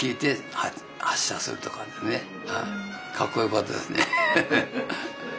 かっこよかったですね。